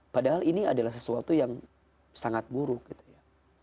padahal ini adalah sesuatu yang sangat buruk gitu ya